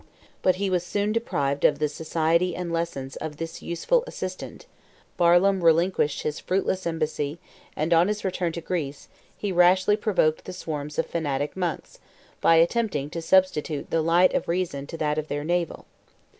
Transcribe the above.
But he was soon deprived of the society and lessons of this useful assistant: Barlaam relinquished his fruitless embassy; and, on his return to Greece, he rashly provoked the swarms of fanatic monks, by attempting to substitute the light of reason to that of their navel.